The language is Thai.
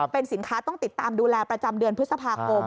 เป็นสินค้าต้องติดตามดูแลประจำเดือนพฤษภาคม